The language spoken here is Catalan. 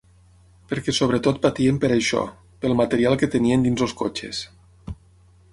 Perquè sobretot patien per això, pel material que tenien dins els cotxes.